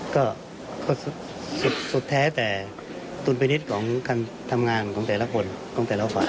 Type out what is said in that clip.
ก็สุดแท้แต่ดุลพินิษฐ์ของการทำงานของแต่ละคนของแต่ละฝ่าย